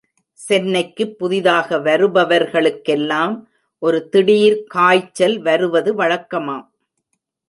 சென்னைக்குப் புதிதாக வருபவர்களுக்கெல்லாம் ஒரு திடீர் காய்ச்சல் வருவது வழக்கமாம்.